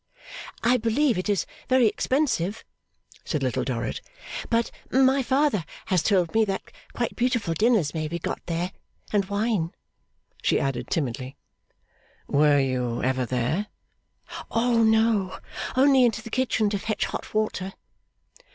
'I believe it is very expensive,' said Little Dorrit, 'but my father has told me that quite beautiful dinners may be got there. And wine,' she added timidly. 'Were you ever there?' 'Oh no! Only into the kitchen to fetch hot water.